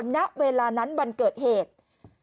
ณเวลานั้นวันเกิดเหตุ